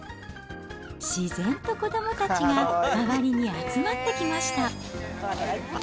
自然と子どもたちが周りに集まってきました。